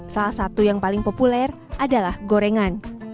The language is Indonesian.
salah satu yang paling populer adalah gorengan